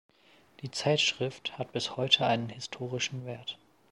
Die Zeitschrift hat bis heute einen historischen Wert.